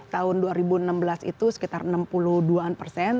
tahun dua ribu enam belas itu sekitar enam puluh dua an persen